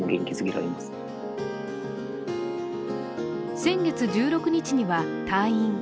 先月１６日には退院。